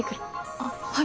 あっはい。